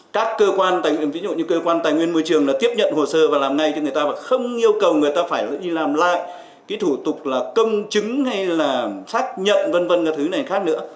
các cơ quan ví dụ như cơ quan tài nguyên môi trường là tiếp nhận hồ sơ và làm ngay cho người ta và không yêu cầu người ta phải đi làm lại cái thủ tục là công chứng hay là xác nhận v v cái thứ này khác nữa